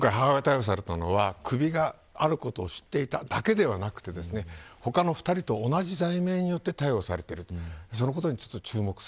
母親が逮捕されたは首があることを知っていただけではなく他の２人と同じ罪名によって逮捕されています。